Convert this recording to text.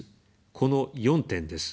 この４点です。